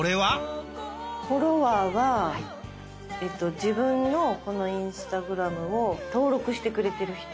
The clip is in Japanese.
フォロワーは自分のこのインスタグラムを登録してくれてる人。